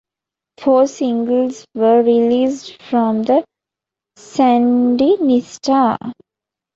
Four singles were released from the Sandinista!